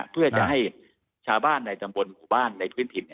เพื่อจะให้ชาวบ้านในตำบลหมู่บ้านในพื้นถิ่น